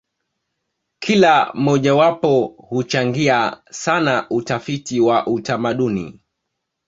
Kila mojawapo huchangia sana utafiti wa utamaduni.